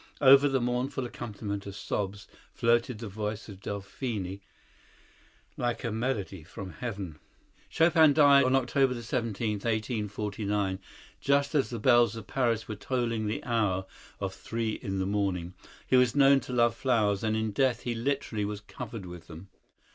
Over the mournful accompaniment of sobs floated the voice of Delphine like a melody from heaven. Chopin died on October 17, 1849, just as the bells of Paris were tolling the hour of three in the morning. He was known to love flowers, and in death he literally was covered with them.